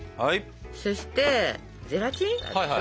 そしてゼラチンがあるでしょ。